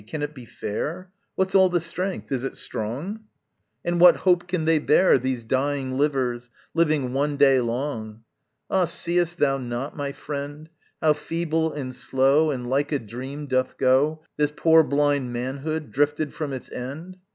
Can it be fair? What's all the strength? is it strong? And what hope can they bear, These dying livers living one day long? Ah, seest thou not, my friend, How feeble and slow And like a dream, doth go This poor blind manhood, drifted from its end?